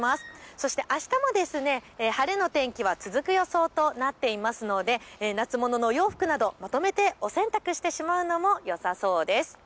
そしてあしたも晴れの天気は続く予想となっていますので夏物のお洋服などまとめてお洗濯してしまうのもよさそうです。